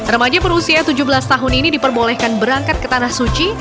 remaja berusia tujuh belas tahun ini diperbolehkan berangkat ke tanah suci